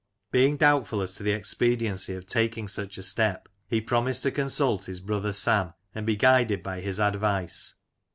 Being doubtful as to the expediency of taking such a step, he promised to consult his brother Sam and be guided by his advice.